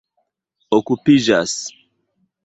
okupiĝas